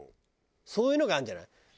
そういうのがあるんじゃない？